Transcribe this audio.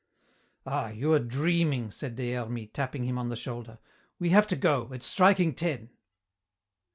"Ah, you are dreaming," said Des Hermies, tapping him on the shoulder. "We have to go. It's striking ten."